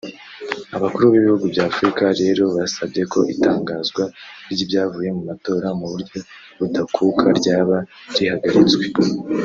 Abakuru b’ibihugu by’Afrika rero basabye ko itangazwa ry’ibyavuye mu matora mu buryo budakuka ryaba rihagaritswe